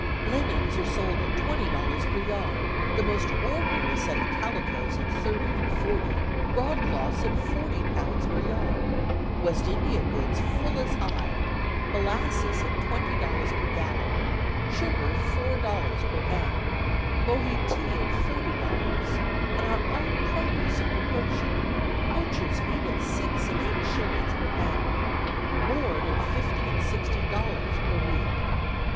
"Linens are sold at twenty dollars per yard; the most ordinary sort of calicoes at thirty and forty; broadcloths at forty pounds per yard; West India goods full as high; molasses at twenty dollars per gallon; sugar four dollars per pound, bohea tea at forty dollars; and our own produce in proportion; butcher's meat at six and eight shillings per pound; board at fifty and sixty dollars per week."